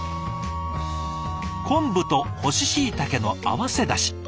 昆布と乾しいたけの合わせだし。